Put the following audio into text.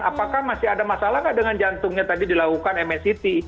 apakah masih ada masalah nggak dengan jantungnya tadi dilakukan msct